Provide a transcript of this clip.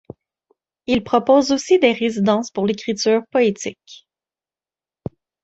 Il propose aussi des résidences pour l'écriture poétique.